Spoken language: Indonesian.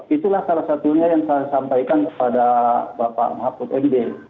itulah salah satunya yang saya sampaikan kepada bapak mahfud md